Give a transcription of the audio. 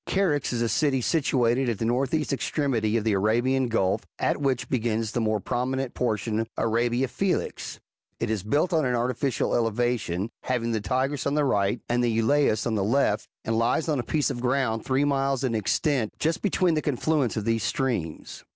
Charax is a city situate at the furthest extremity of the Arabian Gulf, at which begins the more prominent portion of Arabia Felix :^ it is built on an artificial elevation, having the Tigris on the right, and the Eulaeus on the left, and lies on a piece of ground three miles in extent, just between the con fluence of those streams.